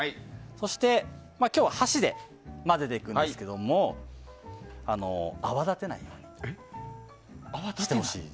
そして今日は箸で混ぜていくんですけども泡立てないようにしてほしい。